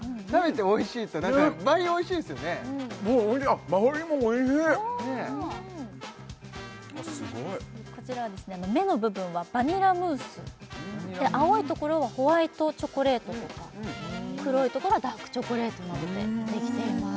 あっすごいこちらは目の部分はバニラムース青いところはホワイトチョコレートとか黒いところはダークチョコレートなどでできています